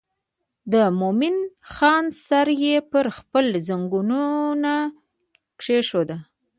د مومن خان سر یې پر خپل زنګانه کېښود.